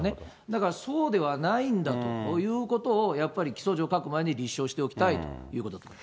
だからそうではないんだということを、やっぱり起訴状書く前に立証しておきたいということなんです。